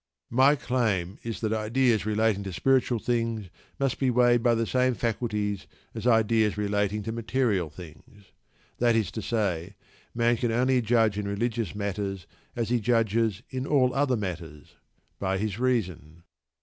My claim is that ideas relating to spiritual things must be weighed by the same faculties as ideas relating to material things. That is to say, man can only judge in religious matters as he judges in all other matters, by his reason.